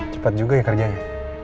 cepet juga ya kerjanya